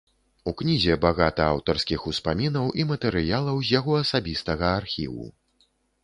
У кнізе багата аўтарскіх успамінаў і матэрыялаў з яго асабістага архіву.